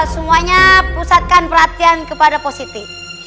semuanya pusatkan perhatian kepada positi